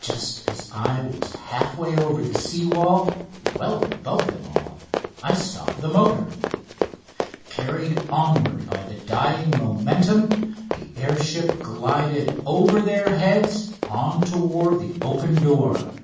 Just as I was half way over the sea wall, well above them all, I stopped the motor. Carried onward by the dying momentum, the air ship glided over their heads on toward the open door.